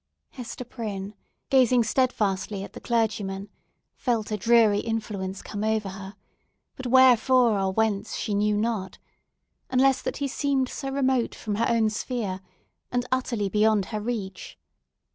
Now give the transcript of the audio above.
Hester Prynne, gazing steadfastly at the clergyman, felt a dreary influence come over her, but wherefore or whence she knew not, unless that he seemed so remote from her own sphere, and utterly beyond her reach.